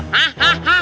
hah hah hah